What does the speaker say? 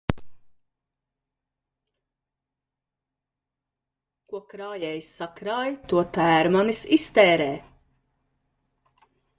Ko krājējs sakrāj, to tērmanis iztērē.